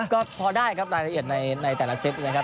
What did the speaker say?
ก็พอได้ครับรายละเอียดในแต่ละเซตนะครับ